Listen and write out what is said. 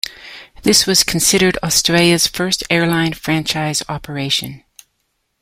This was considered Australia’s first airline franchise operation.